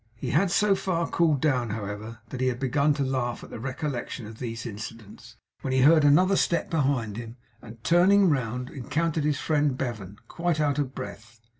He had so far cooled down, however, that he had begun to laugh at the recollection of these incidents, when he heard another step behind him, and turning round encountered his friend Bevan, quite out of breath.